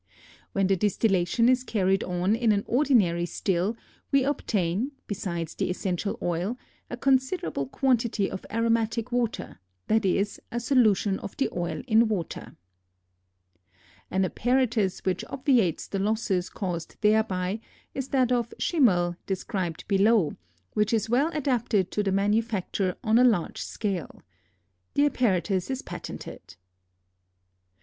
] When the distillation is carried on in an ordinary still, we obtain, besides the essential oil, a considerable quantity of aromatic water, that is, a solution of the oil in water. An apparatus which obviates the losses caused thereby is that of Schimmel described below, which is well adapted to the manufacture on a large scale. The apparatus is patented.